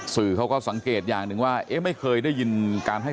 สื่อเขาก็สังเกตอย่างหนึ่งว่าเอ๊ะไม่เคยได้ยินการให้